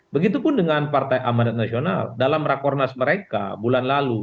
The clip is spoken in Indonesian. begitupun dengan partai amanat nasional dalam rakornas mereka bulan lalu